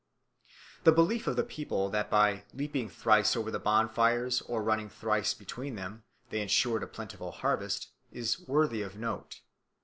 The belief of the people that by leaping thrice over the bonfires or running thrice between them they ensured a plentiful harvest is worthy of note.